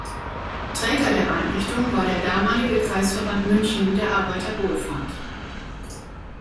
Träger der Einrichtung war der damalige Kreisverband München der Arbeiterwohlfahrt.